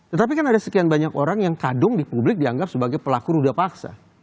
tetapi kan ada sekian banyak orang yang kadung di publik dianggap sebagai pelaku ruda paksa